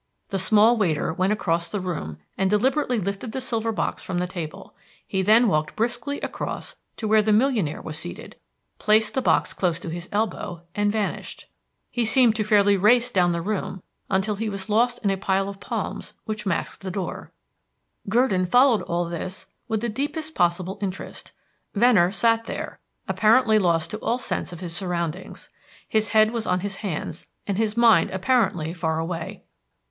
The small waiter went across the room and deliberately lifted the silver box from the table. He then walked briskly across to where the millionaire was seated, placed the box close to his elbow, and vanished. He seemed to fairly race down the room until he was lost in a pile of palms which masked the door. Gurdon had followed all this with the deepest possible interest. Venner sat there, apparently lost to all sense of his surroundings. His head was on his hands, and his mind was apparently far away.